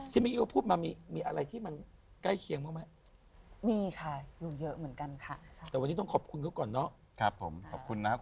คิดว่าพูดมามีอะไรที่มันใกล้เคียงมากมั้ย